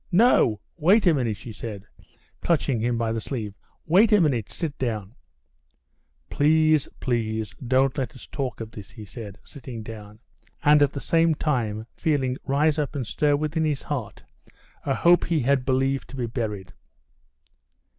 "No, wait a minute," she said, clutching him by the sleeve. "Wait a minute, sit down." "Please, please, don't let us talk of this," he said, sitting down, and at the same time feeling rise up and stir within his heart a hope he had believed to be buried.